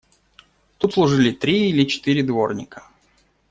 Тут служили три или четыре дворника.